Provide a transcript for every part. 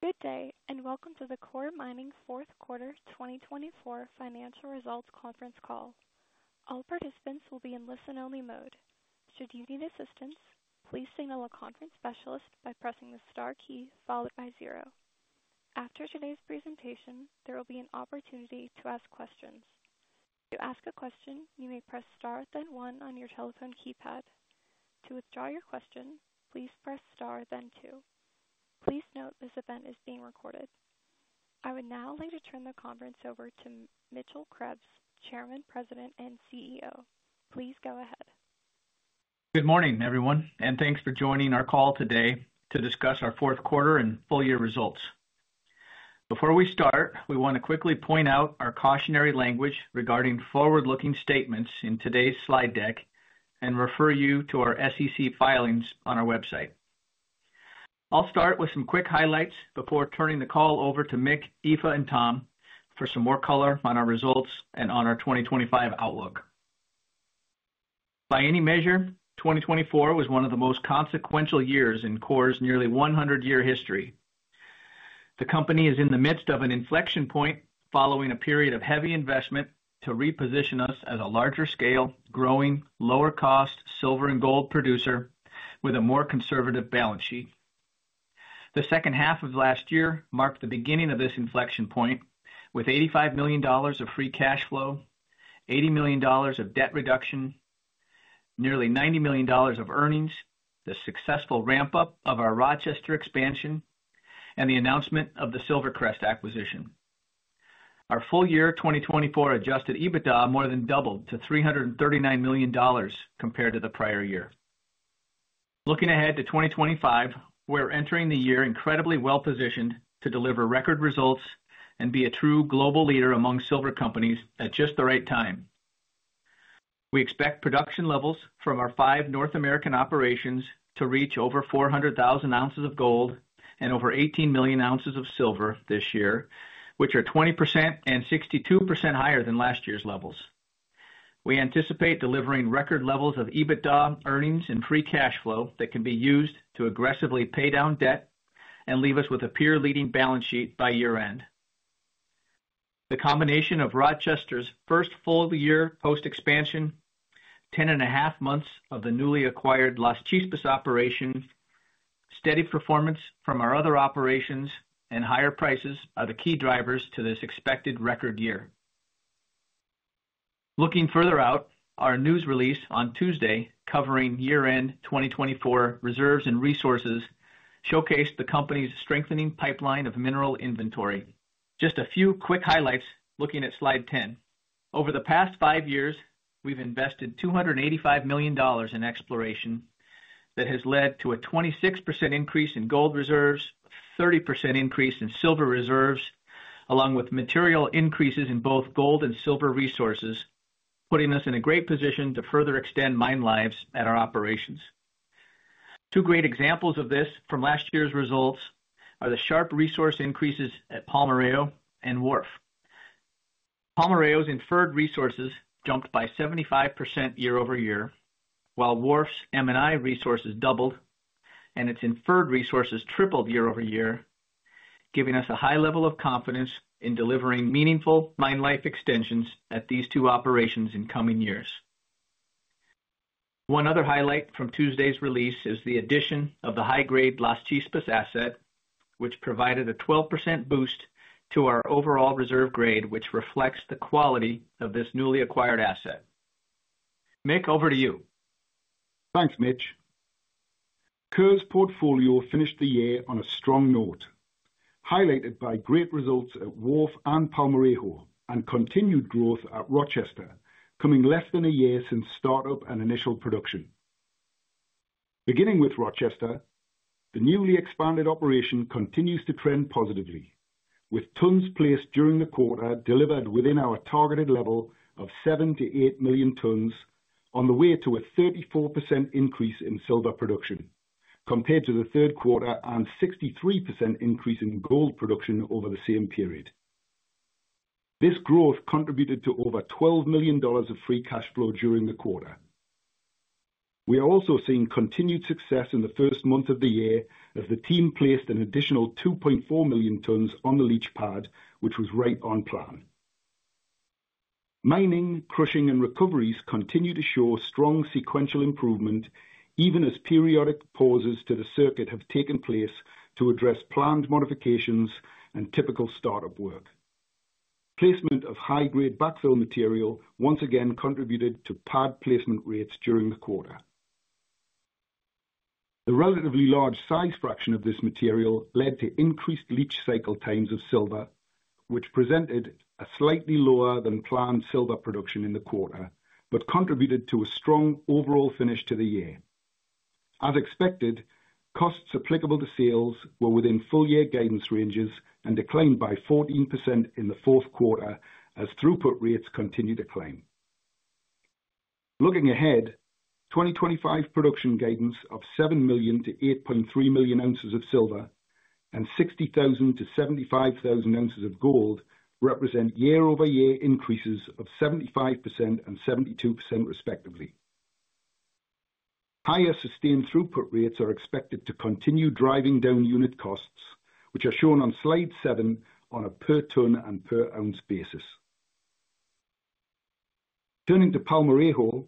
Good day, and welcome to the Coeur Mining Fourth Quarter 2024 Financial Results Conference Call. All participants will be in listen-only mode. Should you need assistance, please signal a conference specialist by pressing the star key followed by zero. After today's presentation, there will be an opportunity to ask questions. To ask a question, you may press star then one on your telephone keypad. To withdraw your question, please press star then two. Please note this event is being recorded. I would now like to turn the conference over to Mitchell Krebs, Chairman, President, and CEO. Please go ahead. Good morning, everyone, and thanks for joining our call today to discuss our fourth quarter and full-year results. Before we start, we want to quickly point out our cautionary language regarding forward-looking statements in today's slide deck and refer you to our SEC filings on our website. I'll start with some quick highlights before turning the call over to Mick, Aoife, and Tom for some more color on our results and on our 2025 outlook. By any measure, 2024 was one of the most consequential years in Coeur's nearly 100-year history. The company is in the midst of an inflection point following a period of heavy investment to reposition us as a larger-scale, growing, lower-cost silver and gold producer with a more conservative balance sheet. The second half of last year marked the beginning of this inflection point with $85 million of free cash flow, $80 million of debt reduction, nearly $90 million of earnings, the successful ramp-up of our Rochester expansion, and the announcement of the SilverCrest acquisition. Our full-year 2024 Adjusted EBITDA more than doubled to $339 million compared to the prior year. Looking ahead to 2025, we're entering the year incredibly well-positioned to deliver record results and be a true global leader among silver companies at just the right time. We expect production levels from our five North American operations to reach over 400,000 ounces of gold and over 18 million ounces of silver this year, which are 20% and 62% higher than last year's levels. We anticipate delivering record levels of EBITDA, earnings, and free cash flow that can be used to aggressively pay down debt and leave us with a peer-leading balance sheet by year-end. The combination of Rochester's first full-year post-expansion, 10 and a half months of the newly acquired Las Chispas operation, steady performance from our other operations, and higher prices are the key drivers to this expected record year. Looking further out, our news release on Tuesday covering year-end 2024 reserves and resources showcased the company's strengthening pipeline of mineral inventory. Just a few quick highlights looking at slide 10. Over the past five years, we've invested $285 million in exploration that has led to a 26% increase in gold reserves, a 30% increase in silver reserves, along with material increases in both gold and silver resources, putting us in a great position to further extend mine lives at our operations. Two great examples of this from last year's results are the sharp resource increases at Palmarejo and Wharf. Palmarejo's inferred resources jumped by 75% year-over-year, while Wharf's M&I resources doubled and its inferred resources tripled year-over-year, giving us a high level of confidence in delivering meaningful mine life extensions at these two operations in coming years. One other highlight from Tuesday's release is the addition of the high-grade Las Chispas asset, which provided a 12% boost to our overall reserve grade, which reflects the quality of this newly acquired asset. Mick, over to you. Thanks, Mitch. Coeur's portfolio finished the year on a strong note, highlighted by great results at Wharf and Palmarejo and continued growth at Rochester, coming less than a year since startup and initial production. Beginning with Rochester, the newly expanded operation continues to trend positively, with tons placed during the quarter delivered within our targeted level of 7-8 million tons on the way to a 34% increase in silver production compared to the third quarter and 63% increase in gold production over the same period. This growth contributed to over $12 million of free cash flow during the quarter. We are also seeing continued success in the first month of the year as the team placed an additional 2.4 million tons on the leach pad, which was right on plan. Mining, crushing, and recoveries continue to show strong sequential improvement, even as periodic pauses to the circuit have taken place to address planned modifications and typical startup work. Placement of high-grade backfill material once again contributed to pad placement rates during the quarter. The relatively large size fraction of this material led to increased leach cycle times of silver, which presented a slightly lower than planned silver production in the quarter but contributed to a strong overall finish to the year. As expected, costs applicable to sales were within full-year guidance ranges and declined by 14% in the fourth quarter as throughput rates continued to climb. Looking ahead, 2025 production guidance of 7 million to 8.3 million ounces of silver and 60,000 to 75,000 ounces of gold represent year-over-year increases of 75% and 72% respectively. Higher sustained throughput rates are expected to continue driving down unit costs, which are shown on slide 7 on a per-ton and per-ounce basis. Turning to Palmarejo,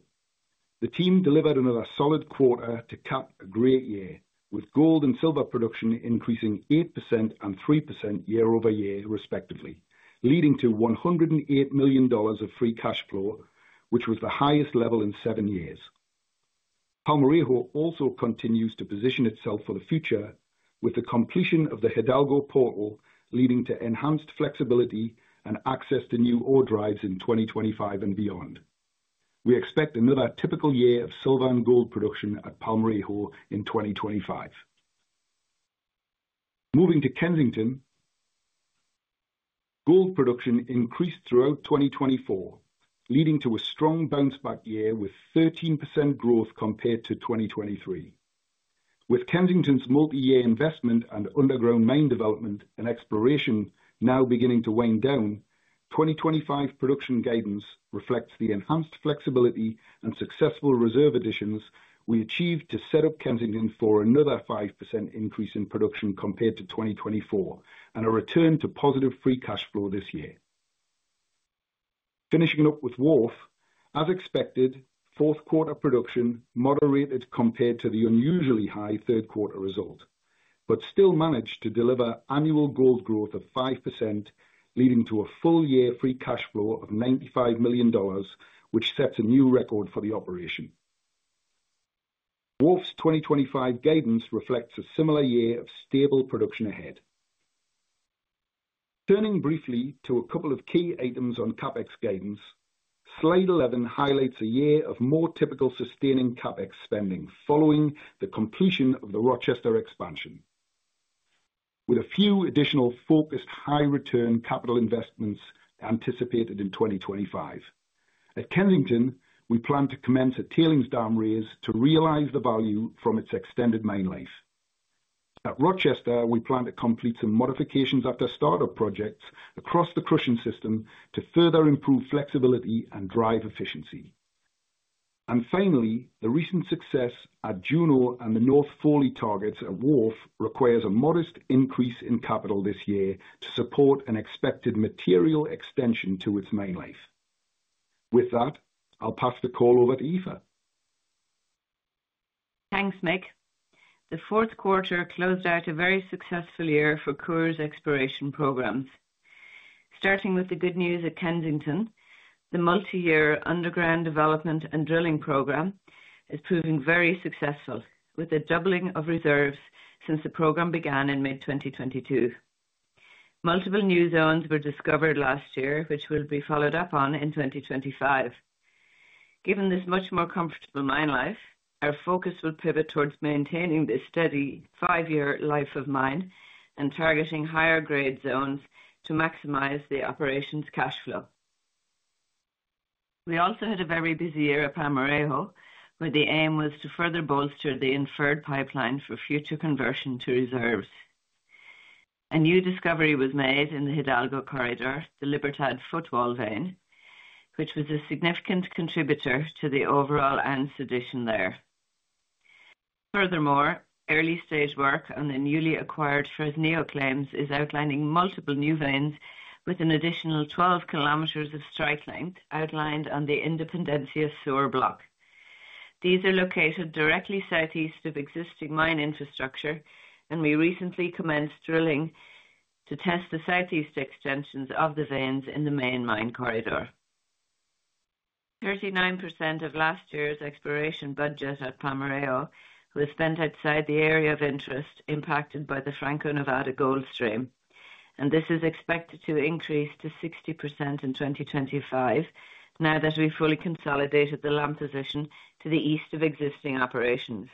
the team delivered another solid quarter to cap a great year, with gold and silver production increasing 8% and 3% year-over-year respectively, leading to $108 million of free cash flow, which was the highest level in seven years. Palmarejo also continues to position itself for the future with the completion of the Hidalgo portal, leading to enhanced flexibility and access to new ore drives in 2025 and beyond. We expect another typical year of silver and gold production at Palmarejo in 2025. Moving to Kensington, gold production increased throughout 2024, leading to a strong bounce-back year with 13% growth compared to 2023. With Kensington's multi-year investment and underground mine development and exploration now beginning to wind down, 2025 production guidance reflects the enhanced flexibility and successful reserve additions we achieved to set up Kensington for another 5% increase in production compared to 2024 and a return to positive free cash flow this year. Finishing up with Wharf, as expected, fourth quarter production moderated compared to the unusually high third quarter result but still managed to deliver annual gold growth of 5%, leading to a full-year free cash flow of $95 million, which sets a new record for the operation. Wharf's 2025 guidance reflects a similar year of stable production ahead. Turning briefly to a couple of key items on CapEx guidance, slide 11 highlights a year of more typical sustaining CapEx spending following the completion of the Rochester expansion, with a few additional focused high-return capital investments anticipated in 2025. At Kensington, we plan to commence a tailings dam raise to realize the value from its extended mine life. At Rochester, we plan to complete some modifications after startup projects across the crushing system to further improve flexibility and drive efficiency. And finally, the recent success at Juneau and the North Foley targets at Wharf requires a modest increase in capital this year to support an expected material extension to its mine life. With that, I'll pass the call over to Aoife. Thanks, Mick. The fourth quarter closed out a very successful year for Coeur's exploration programs. Starting with the good news at Kensington, the multi-year underground development and drilling program is proving very successful, with a doubling of reserves since the program began in mid-2022. Multiple new zones were discovered last year, which will be followed up on in 2025. Given this much more comfortable mine life, our focus will pivot towards maintaining this steady five-year life of mine and targeting higher-grade zones to maximize the operation's cash flow. We also had a very busy year at Palmarejo, where the aim was to further bolster the inferred pipeline for future conversion to reserves. A new discovery was made in the Hidalgo corridor, the Libertad footwall vein, which was a significant contributor to the overall M&I addition there. Furthermore, early-stage work on the newly acquired Fresnillo claims is outlining multiple new veins with an additional 12 kilometers of strike length outlined on the Independencia Sur block. These are located directly southeast of existing mine infrastructure, and we recently commenced drilling to test the southeast extensions of the veins in the main mine corridor. 39% of last year's exploration budget at Palmarejo was spent outside the area of interest impacted by the Franco-Nevada Gold Stream, and this is expected to increase to 60% in 2025 now that we've fully consolidated the land position to the east of existing operations.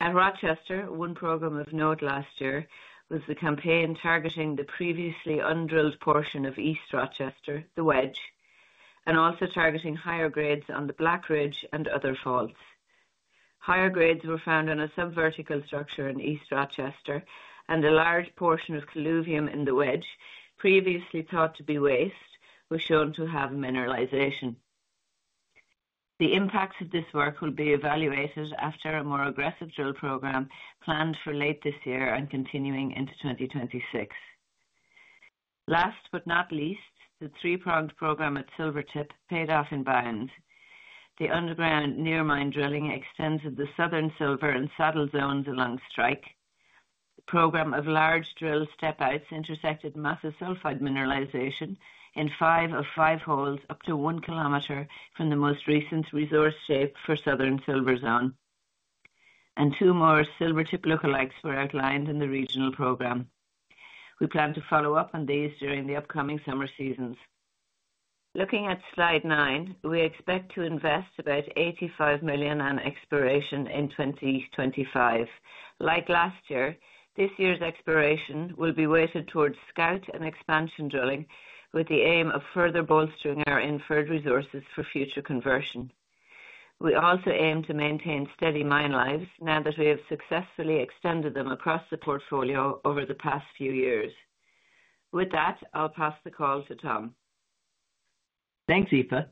At Rochester, one program of note last year was the campaign targeting the previously un-drilled portion of East Rochester, the Wedge, and also targeting higher grades on the Black Ridge and other faults. Higher grades were found on a subvertical structure in East Rochester, and a large portion of colluvium in the Wedge, previously thought to be waste, was shown to have mineralization. The impacts of this work will be evaluated after a more aggressive drill program planned for late this year and continuing into 2026. Last but not least, the three-pronged program at Silvertip paid off in spades. The underground near-mine drilling extends to the Southern Silver and Saddle zones along strike. The program of large drill step-outs intersected massive sulfide mineralization in five of five holes up to one kilometer from the most recent resource shape for Southern Silver zone. And two more Silvertip lookalikes were outlined in the regional program. We plan to follow up on these during the upcoming summer seasons. Looking at slide 9, we expect to invest about $85 million on exploration in 2025. Like last year, this year's exploration will be weighted towards scout and expansion drilling with the aim of further bolstering our inferred resources for future conversion. We also aim to maintain steady mine lives now that we have successfully extended them across the portfolio over the past few years. With that, I'll pass the call to Tom. Thanks, Aoife.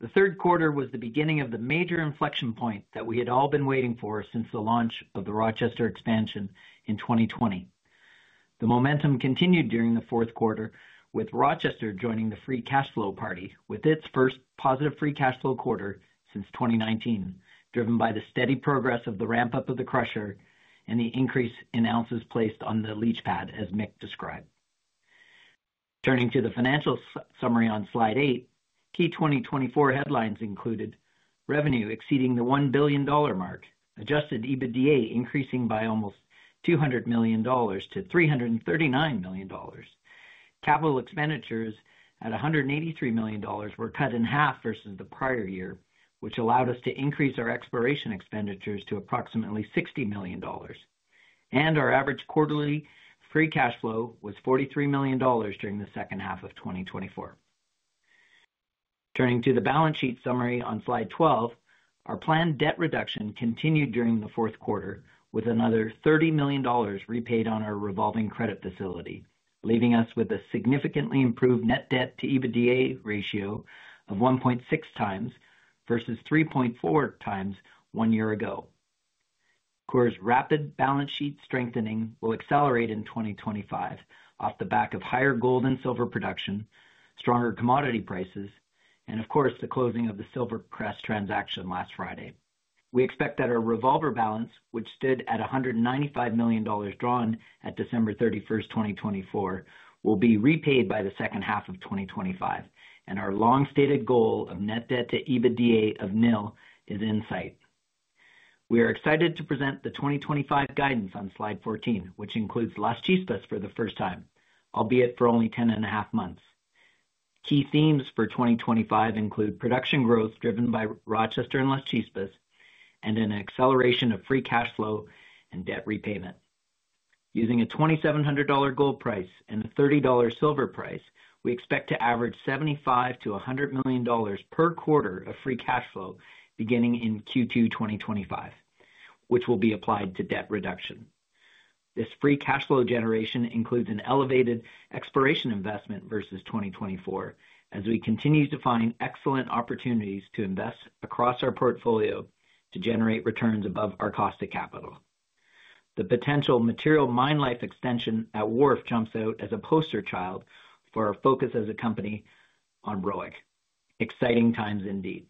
The third quarter was the beginning of the major inflection point that we had all been waiting for since the launch of the Rochester expansion in 2020. The momentum continued during the fourth quarter, with Rochester joining the free cash flow party with its first positive free cash flow quarter since 2019, driven by the steady progress of the ramp-up of the crusher and the increase in ounces placed on the leach pad, as Mick described. Turning to the financial summary on slide 8, key 2024 headlines included revenue exceeding the $1 billion mark, Adjusted EBITDA increasing by almost $200 million to $339 million. Capital expenditures at $183 million were cut in half versus the prior year, which allowed us to increase our exploration expenditures to approximately $60 million. Our average quarterly free cash flow was $43 million during the second half of 2024. Turning to the balance sheet summary on slide 12, our planned debt reduction continued during the fourth quarter with another $30 million repaid on our revolving credit facility, leaving us with a significantly improved net debt to EBITDA ratio of 1.6 times versus 3.4 times one year ago. Coeur's rapid balance sheet strengthening will accelerate in 2025 off the back of higher gold and silver production, stronger commodity prices, and, of course, the closing of the SilverCrest transaction last Friday. We expect that our revolver balance, which stood at $195 million drawn at December 31st, 2024, will be repaid by the second half of 2025, and our long-stated goal of net debt to EBITDA of nil is in sight. We are excited to present the 2025 guidance on slide 14, which includes Las Chispas for the first time, albeit for only 10 and a half months. Key themes for 2025 include production growth driven by Rochester and Las Chispas and an acceleration of free cash flow and debt repayment. Using a $2,700 gold price and a $30 silver price, we expect to average $75-$100 million per quarter of free cash flow beginning in Q2 2025, which will be applied to debt reduction. This free cash flow generation includes an elevated exploration investment versus 2024 as we continue to find excellent opportunities to invest across our portfolio to generate returns above our cost of capital. The potential material mine life extension at Wharf jumps out as a poster child for our focus as a company on ROI. Exciting times indeed.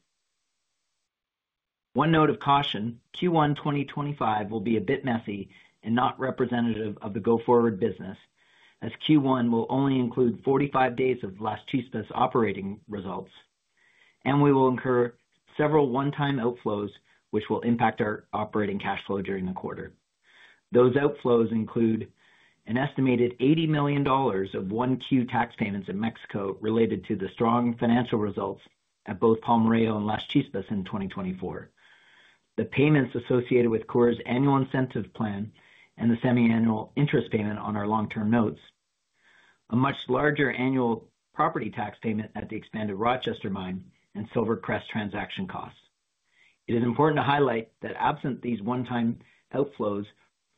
One note of caution, Q1 2025 will be a bit messy and not representative of the go-forward business, as Q1 will only include 45 days of Las Chispas operating results, and we will incur several one-time outflows, which will impact our operating cash flow during the quarter. Those outflows include an estimated $80 million of income tax payments in Mexico related to the strong financial results at both Palmarejo and Las Chispas in 2024, the payments associated with Coeur's annual incentive plan and the semi-annual interest payment on our long-term notes, a much larger annual property tax payment at the expanded Rochester mine and SilverCrest transaction costs. It is important to highlight that absent these one-time outflows,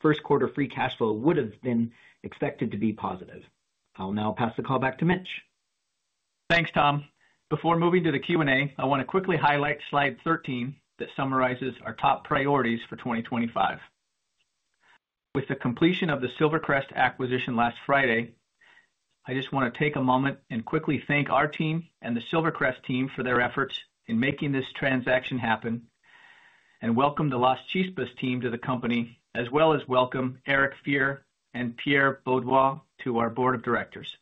first quarter free cash flow would have been expected to be positive. I'll now pass the call back to Mitch. Thanks, Tom. Before moving to the Q&A, I want to quickly highlight slide 13 that summarizes our top priorities for 2025. With the completion of the SilverCrest acquisition last Friday, I just want to take a moment and quickly thank our team and the SilverCrest team for their efforts in making this transaction happen, and welcome the Las Chispas team to the company, as well as welcome Eric Fier and Pierre Beaudoin to our board of directors.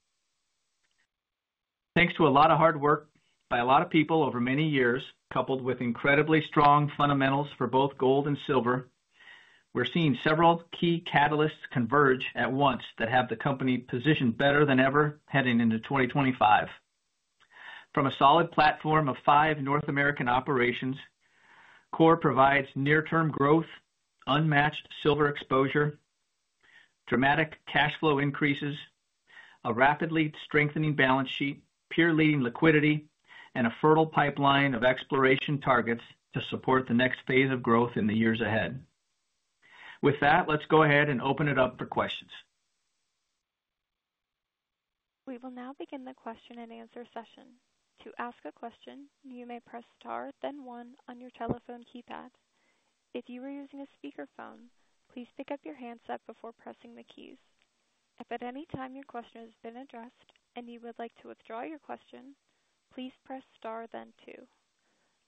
Thanks to a lot of hard work by a lot of people over many years, coupled with incredibly strong fundamentals for both gold and silver, we're seeing several key catalysts converge at once that have the company positioned better than ever heading into 2025. From a solid platform of five North American operations, Coeur provides near-term growth, unmatched silver exposure, dramatic cash flow increases, a rapidly strengthening balance sheet, peer-leading liquidity, and a fertile pipeline of exploration targets to support the next phase of growth in the years ahead. With that, let's go ahead and open it up for questions. We will now begin the question and answer session. To ask a question, you may press star, then one on your telephone keypad. If you are using a speakerphone, please pick up your handset before pressing the keys. If at any time your question has been addressed and you would like to withdraw your question, please press star, then two.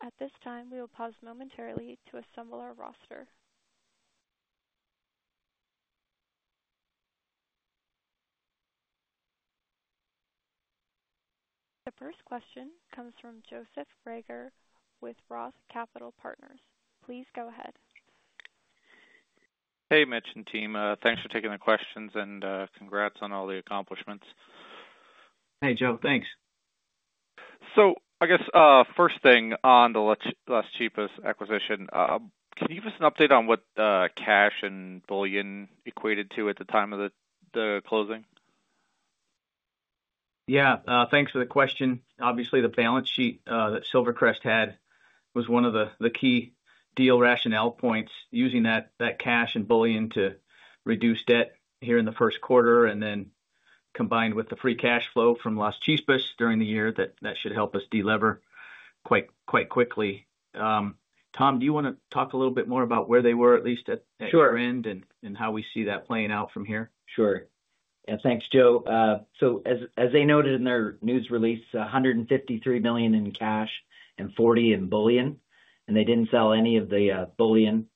At this time, we will pause momentarily to assemble our roster. The first question comes from Joseph Reagor with ROTH Capital Partners. Please go ahead. Hey, Mitch and team. Thanks for taking the questions and congrats on all the accomplishments. Hey, Joe. Thanks. I guess first thing on the Las Chispas acquisition, can you give us an update on what cash and bullion equated to at the time of the closing? Yeah. Thanks for the question. Obviously, the balance sheet that SilverCrest had was one of the key deal rationale points, using that cash and bullion to reduce debt here in the first quarter and then combined with the free cash flow from Las Chispas during the year that should help us delever quite quickly. Tom, do you want to talk a little bit more about where they were, at least at year-end, and how we see that playing out from here? Sure. Yeah, thanks, Joe. So as they noted in their news release, $153 million in cash and $40 million in bullion, and they didn't sell any of the bullion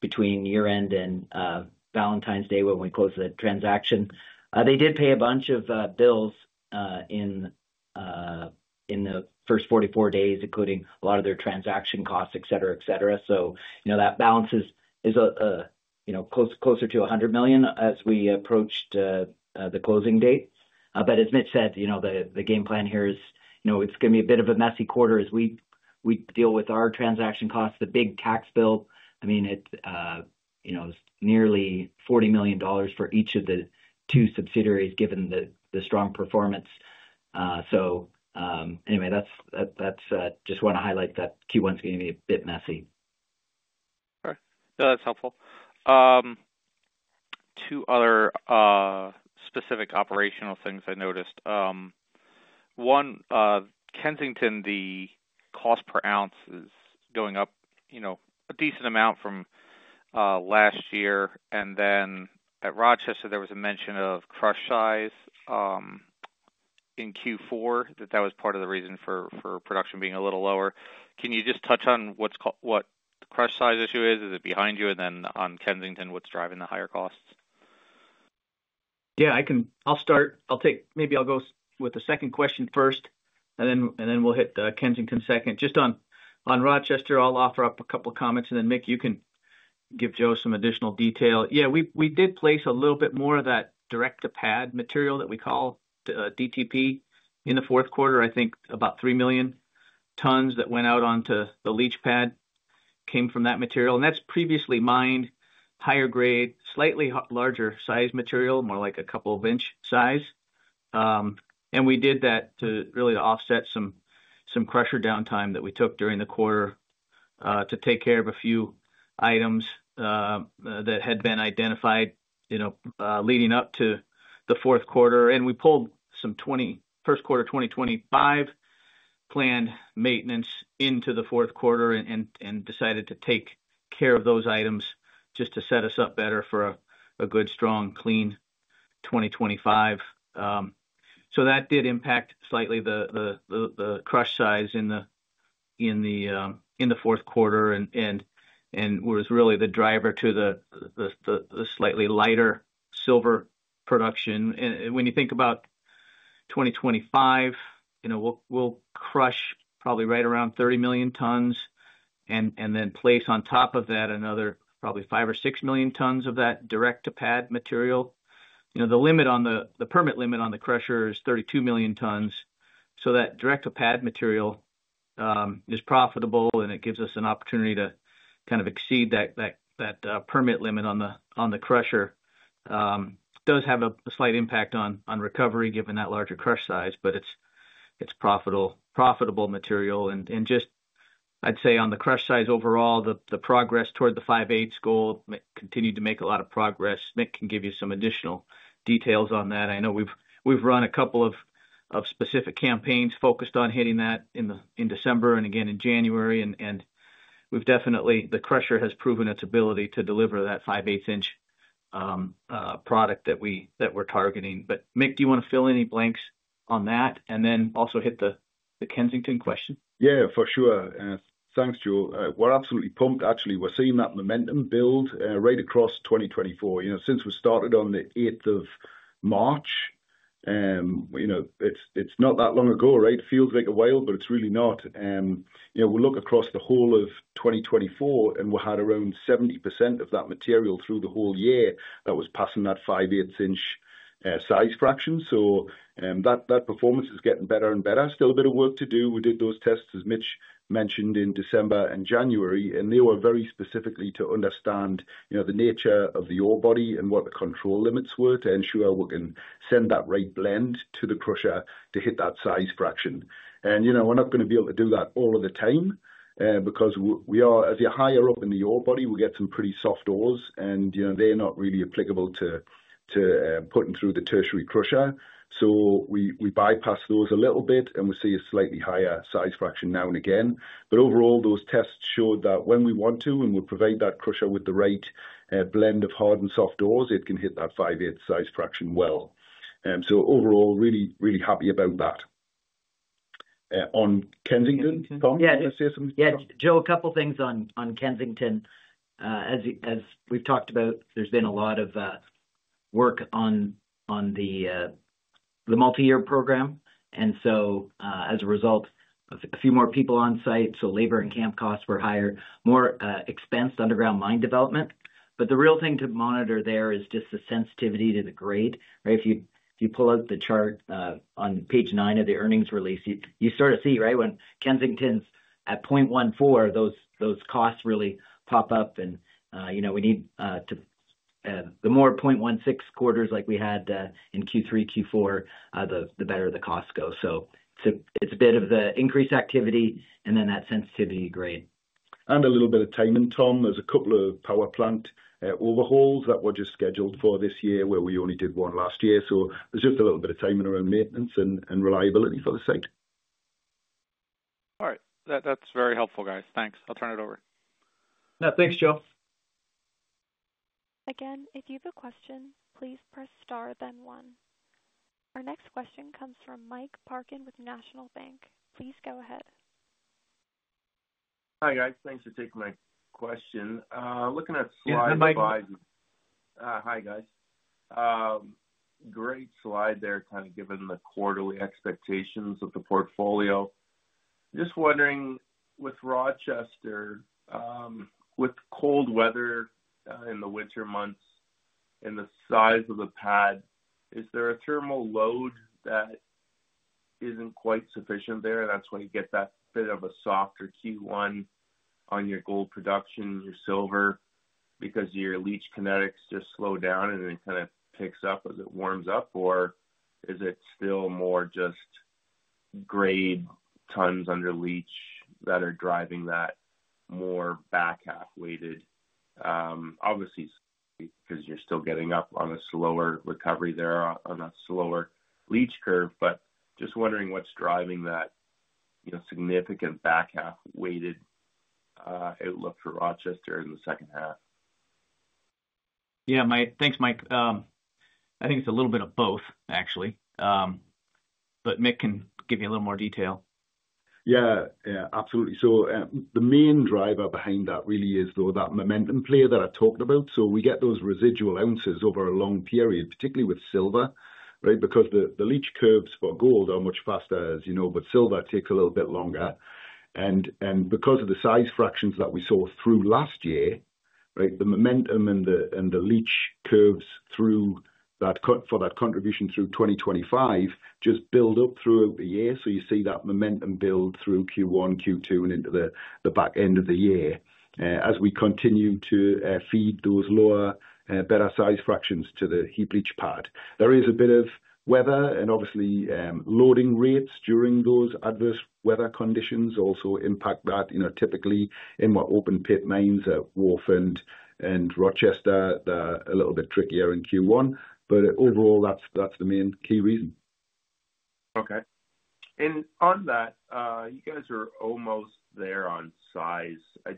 between year-end and Valentine's Day when we closed the transaction. They did pay a bunch of bills in the first 44 days, including a lot of their transaction costs, etc., etc. So that balance is closer to $100 million as we approached the closing date. But as Mitch said, the game plan here is it's going to be a bit of a messy quarter as we deal with our transaction costs, the big tax bill. I mean, it's nearly $40 million for each of the two subsidiaries given the strong performance. So anyway, that's just want to highlight that Q1 is going to be a bit messy. All right. No, that's helpful. Two other specific operational things I noticed. One, Kensington, the cost per ounce is going up a decent amount from last year. And then at Rochester, there was a mention of crush size in Q4, that that was part of the reason for production being a little lower. Can you just touch on what the crush size issue is? Is it behind you? And then on Kensington, what's driving the higher costs? Yeah, I'll start. Maybe I'll go with the second question first, and then we'll hit Kensington second. Just on Rochester, I'll offer up a couple of comments, and then Mick, you can give Joe some additional detail. Yeah, we did place a little bit more of that direct-to-pad material that we call DTP in the fourth quarter. I think about 3 million tons that went out onto the leach pad came from that material. And that's previously mined, higher grade, slightly larger size material, more like a couple of inch size. And we did that to really offset some crusher downtime that we took during the quarter to take care of a few items that had been identified leading up to the fourth quarter. And we pulled some first quarter 2025 planned maintenance into the fourth quarter and decided to take care of those items just to set us up better for a good, strong, clean 2025. So that did impact slightly the crush size in the fourth quarter and was really the driver to the slightly lighter silver production. And when you think about 2025, we'll crush probably right around 30 million tons and then place on top of that another probably 5 or 6 million tons of that direct-to-pad material. The limit on the permit limit on the crusher is 32 million tons. So that direct-to-pad material is profitable, and it gives us an opportunity to kind of exceed that permit limit on the crusher. It does have a slight impact on recovery given that larger crush size, but it's profitable material. Just, I'd say, on the crush size overall, the progress toward the 5/8 goal. Mitch continued to make a lot of progress. Mitch can give you some additional details on that. I know we've run a couple of specific campaigns focused on hitting that in December and again in January. The crusher has proven its ability to deliver that 5/8-inch product that we're targeting. Mitch, do you want to fill any blanks on that and then also hit the Kensington question? Yeah, for sure. Thanks, Joe. We're absolutely pumped, actually. We're seeing that momentum build right across 2024. Since we started on the 8th of March, it's not that long ago, right? It feels like a while, but it's really not. We look across the whole of 2024, and we had around 70% of that material through the whole year that was passing that 5/8-inch size fraction. So that performance is getting better and better. Still a bit of work to do. We did those tests, as Mitch mentioned, in December and January, and they were very specifically to understand the nature of the ore body and what the control limits were to ensure we can send that right blend to the crusher to hit that size fraction. And we're not going to be able to do that all of the time because as you're higher up in the ore body, we get some pretty soft ores, and they're not really applicable to putting through the tertiary crusher. So we bypass those a little bit, and we see a slightly higher size fraction now and again. But overall, those tests showed that when we want to and we provide that crusher with the right blend of hard and soft ores, it can hit that 5/8 size fraction well. So overall, really, really happy about that. On Kensington, Tom, did I say something? Yeah, Joe, a couple of things on Kensington. As we've talked about, there's been a lot of work on the multi-year program. And so as a result, a few more people on site, so labor and camp costs were higher, more expense, underground mine development. But the real thing to monitor there is just the sensitivity to the grade. If you pull out the chart on page nine of the earnings release, you sort of see when Kensington's at 0.14, those costs really pop up. And the more 0.16 quarters like we had in Q3, Q4, the better the costs go. So it's a bit of the increased activity and then that sensitivity grade. A little bit of timing, Tom. There's a couple of power plant overhauls that were just scheduled for this year where we only did one last year. There's just a little bit of timing around maintenance and reliability for the site. All right. That's very helpful, guys. Thanks. I'll turn it over. Yeah, thanks, Joe. Again, if you have a question, please press star, then one. Our next question comes from Mike Parkin with National Bank. Please go ahead. Hi, guys. Thanks for taking my question. Looking at slides. This is Mike. Hi, guys. Great slide there kind of given the quarterly expectations of the portfolio. Just wondering, with Rochester, with cold weather in the winter months and the size of the pad, is there a thermal load that isn't quite sufficient there? That's why you get that bit of a softer Q1 on your gold production, your silver, because your leach kinetics just slow down and then kind of picks up as it warms up. Or is it still more just grade tons under leach that are driving that more back half weighted? Obviously. Because you're still getting up on a slower recovery there on a slower leach curve. But just wondering what's driving that significant back half weighted outlook for Rochester in the second half. Yeah, thanks, Mike. I think it's a little bit of both, actually. But Mitch can give you a little more detail. Yeah, absolutely. So the main driver behind that really is that momentum player that I talked about. So we get those residual ounces over a long period, particularly with silver, because the leach curves for gold are much faster, as you know, but silver takes a little bit longer. And because of the size fractions that we saw through last year, the momentum and the leach curves for that contribution through 2025 just build up throughout the year. So you see that momentum build through Q1, Q2, and into the back end of the year as we continue to feed those lower, better size fractions to the heap leach pad. There is a bit of weather, and obviously loading rates during those adverse weather conditions also impact that. Typically, in winter, open pit mines at Wharf and Rochester, they're a little bit trickier in Q1. But overall, that's the main key reason. Okay, and on that, you guys are almost there on size. I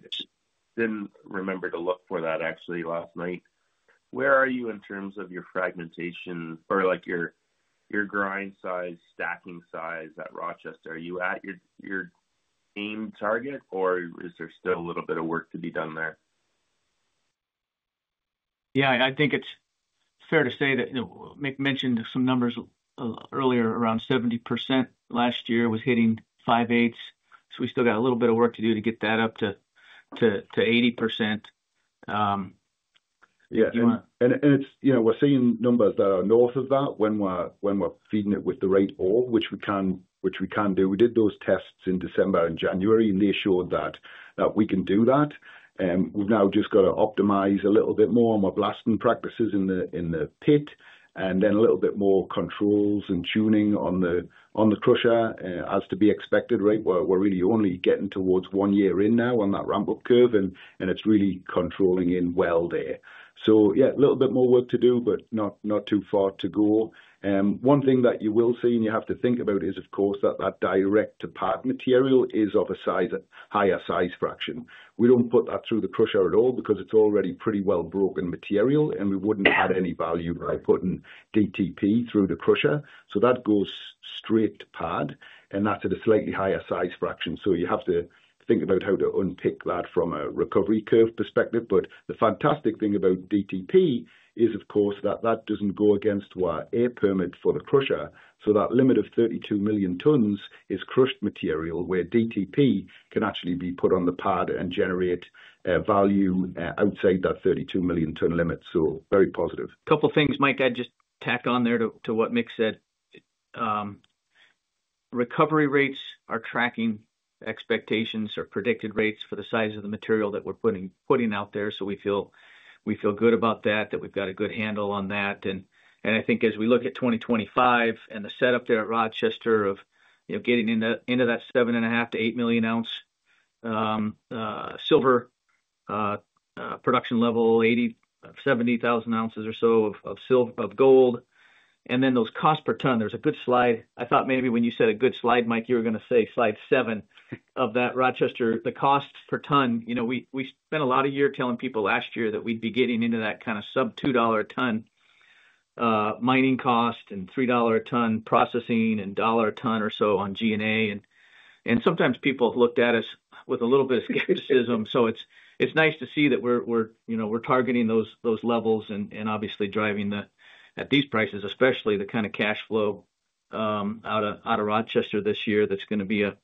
didn't remember to look for that, actually, last night. Where are you in terms of your fragmentation or your grind size, stacking size at Rochester? Are you at your aim target, or is there still a little bit of work to be done there? Yeah, I think it's fair to say that Mitch mentioned some numbers earlier, around 70% last year was hitting 5/8. So we still got a little bit of work to do to get that up to 80%. Yeah. And we're seeing numbers that are north of that when we're feeding it with the right ore, which we can do. We did those tests in December and January, and they showed that we can do that. We've now just got to optimize a little bit more on our blasting practices in the pit and then a little bit more controls and tuning on the crusher, as to be expected. We're really only getting towards one year in now on that ramp-up curve, and it's really controlling in well there. So yeah, a little bit more work to do, but not too far to go. One thing that you will see and you have to think about is, of course, that that direct-to-pad material is of a higher size fraction. We don't put that through the crusher at all because it's already pretty well broken material, and we wouldn't add any value by putting DTP through the crusher. So that goes straight to pad, and that's at a slightly higher size fraction. So you have to think about how to unpick that from a recovery curve perspective. But the fantastic thing about DTP is, of course, that that doesn't go against our air permit for the crusher. So that limit of 32 million tons is crushed material where DTP can actually be put on the pad and generate value outside that 32 million-ton limit. So very positive. A couple of things, Mike. I'd just tack on there to what Mitch said. Recovery rates are tracking expectations or predicted rates for the size of the material that we're putting out there. So we feel good about that, that we've got a good handle on that. And I think as we look at 2025 and the setup there at Rochester of getting into that 7.5-8 million-ounce silver production level, 70,000 ounces or so of gold. And then those costs per ton, there's a good slide. I thought maybe when you said a good slide, Mike, you were going to say slide seven of that Rochester, the costs per ton. We spent a lot of years telling people last year that we'd be getting into that kind of sub-$2 a ton mining cost and $3 a ton processing and $1 a ton or so on G&A. And sometimes people have looked at us with a little bit of skepticism. So it's nice to see that we're targeting those levels and obviously driving at these prices, especially the kind of cash flow out of Rochester this year that's going to be a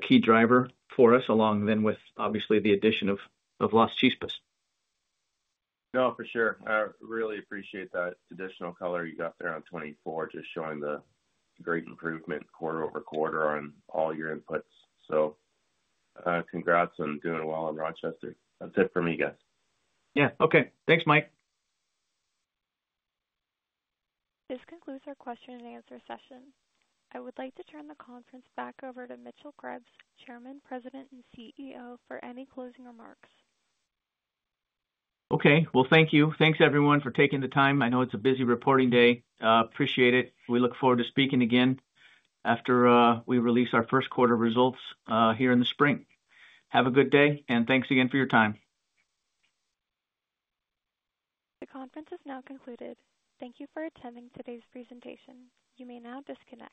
key driver for us, along then with obviously the addition of Las Chispas. No, for sure. I really appreciate that additional color you got there on 24, just showing the great improvement quarter over quarter on all your inputs. So congrats on doing well in Rochester. That's it for me, guys. Yeah. Okay. Thanks, Mike. This concludes our question and answer session. I would like to turn the conference back over to Mitchell Krebs, Chairman, President, and CEO, for any closing remarks. Okay. Well, thank you. Thanks, everyone, for taking the time. I know it's a busy reporting day. Appreciate it. We look forward to speaking again after we release our first quarter results here in the spring. Have a good day, and thanks again for your time. The conference is now concluded. Thank you for attending today's presentation. You may now disconnect.